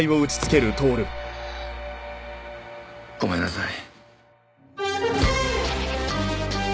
ごめんなさい。